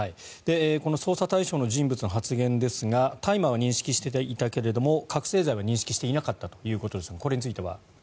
この捜査対象の人物の発言ですが大麻は認識していたけれども覚醒剤は認識していなかったということですがこれについては。